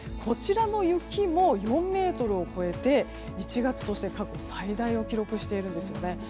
こちらの雪も４ｍを超えて１月として過去最大を記録しているんですね。